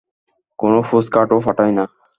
কোনো পোস্টকার্ডও পাঠায় না?